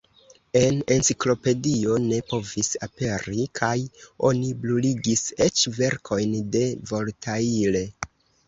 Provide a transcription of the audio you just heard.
La Enciklopedio ne povis aperi kaj oni bruligis eĉ verkojn de Voltaire.